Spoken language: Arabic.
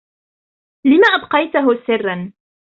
لمَ أبقيته سرًّا؟